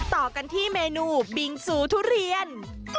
ต่อกันที่เมนูบิงซูทุเรียน